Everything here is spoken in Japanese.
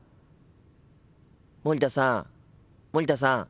森田さん森田さん。